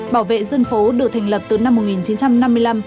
bảo vệ dân phố được thành lập từ năm một nghìn chín trăm năm mươi năm